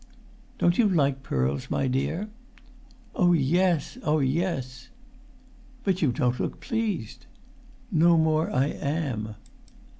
"Don't you like pearls, my dear?" "Oh! yes, oh! yes." "But you don't look pleased." "No more I am!"